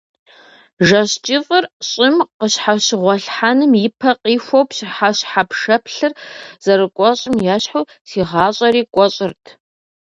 Жэщ кӀыфӀыр щӀым къыщхьэщыгъуэлъхьэным и пэ къихуэу пщыхьэщхьэ пшэплъыр зэрыкӀуэщӀым ещхьу, си гъащӀэри кӀуэщӀырт.